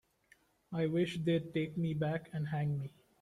I wish they'd take me back and hang me.